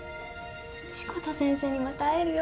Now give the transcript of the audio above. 志子田先生にまた会えるよ。